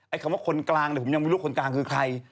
ไอ้คำว่าคนกลางผมยังไม่รู้คนกลางคือใคร